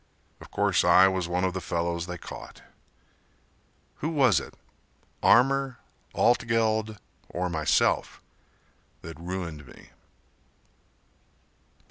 Of course I was one of the fellows they caught. Who was it, Armour, Altgeld or myself That ruined me?